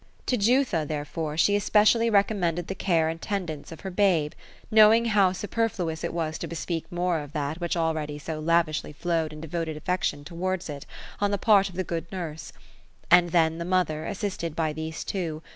To Jutha then, she espe TRS ROSE OP ELSINORE. 193 eially recommended the care and tendance of her babe ; knowing how superfluous it was to bespeak more of that which already so lavishly flowed in devoted affection towards it. on tlie part of the good nurse. A.nd then the mother, assisted by these two.